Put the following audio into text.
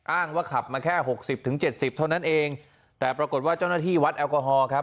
ว่าขับมาแค่หกสิบถึงเจ็ดสิบเท่านั้นเองแต่ปรากฏว่าเจ้าหน้าที่วัดแอลกอฮอล์ครับ